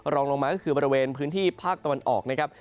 รองลงมาก็คือบริเวณพื้นที่ภาคตะวันออกนะครับ